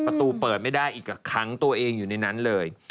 ประตูเปิดไม่ได้อีกกับค้างตัวเองอยู่ในนั้นเลย